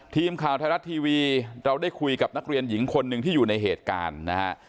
ทีมข่าวไทยรัฐทีวีเราได้คุยกับนักเรียนหญิงคนหนึ่งที่อยู่ในเหตุการณ์นะฮะ